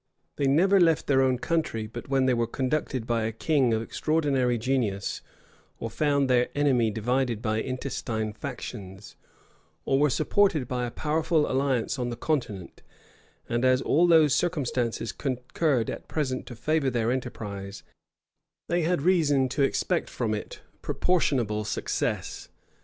They never left their own country but when they were conducted by a king of extraordinary genius, or found their enemy divided by intestine factions, or were supported by a powerful alliance on the continent; and as all these circumstances concurred at present to favor their enterprise, they had reason to expect from it proportionable success.